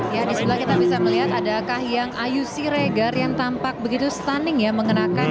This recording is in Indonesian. ya di sebelah kita bisa melihat ada kahiyang ayu siregar yang tampak begitu stunning ya mengenakan